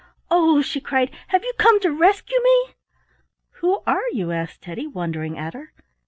"Oh!" she cried, "have you come to rescue me?" "Who are you?" asked Teddy, wondering at her.